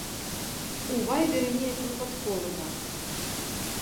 У вайберы неяк выпадкова так.